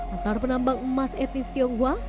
antar penambang emas etnis tionghoa